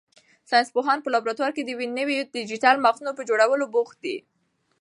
ساینس پوهان په لابراتوار کې د نویو ډیجیټل مغزونو په جوړولو بوخت دي.